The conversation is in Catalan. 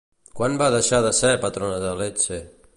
Quan va deixar de ser patrona de Lecce?